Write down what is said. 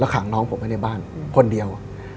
แล้วขังน้องผมไปในบ้านคนเดียว